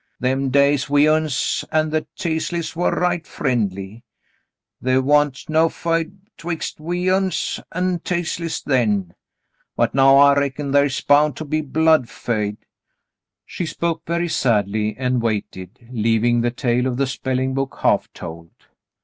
Them days we uns an' the Teas leys war right friendly. The' wa'n't no feud 'twixt we uns an' Teasleys then — but now I reckon thar's bound to be blood feud." She spoke very sadly and waited, leaving the tale of the spelling book half told.